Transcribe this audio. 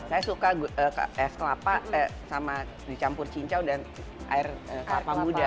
saya suka es kelapa sama dicampur cincau dan air kelapa muda